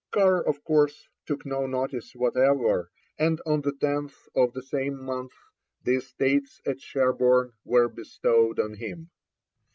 Carr, of course, took no notice whatever, and on the 10th of the same month the estates at Sherborne were bestowed on him.